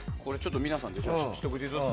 皆さんでひと口ずつ。